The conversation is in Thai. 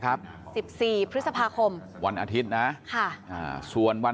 การสอบส่วนแล้วนะ